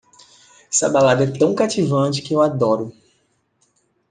Essa balada é tão cativante que eu adoro!